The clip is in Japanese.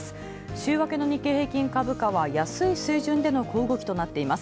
週明けの日経平均株価は安い水準での小動きとなっています。